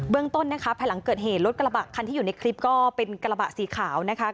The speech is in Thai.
ต้นนะคะภายหลังเกิดเหตุรถกระบะคันที่อยู่ในคลิปก็เป็นกระบะสีขาวนะคะ